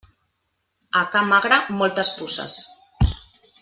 A ca magre, moltes puces.